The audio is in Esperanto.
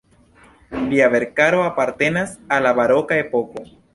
Lia verkaro apartenas al la baroka epoko.